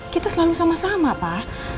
kita selalu sama sama pak